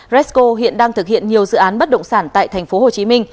công ty đang thực hiện nhiều dự án bất động sản tại tp hcm